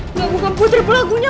enggak bukan putri pelakunya